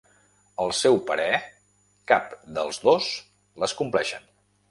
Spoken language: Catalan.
Al seu parer, cap dels dos les compleixen.